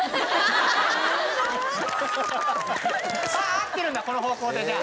合ってるんだこの方向でじゃあ。